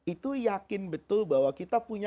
itu yakin betul bahwa kita punya